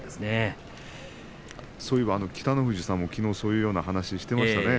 そういえば北の富士さんもきのう、そのような話をしていましたね。